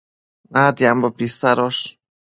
natiambo pisadosh